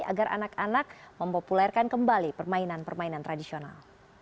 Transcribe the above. agar anak anak mempopulerkan kembali permainan permainan tradisional